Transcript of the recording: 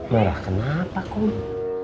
marah kenapa kang